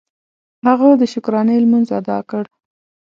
هغه د شکرانې لمونځ ادا کړ.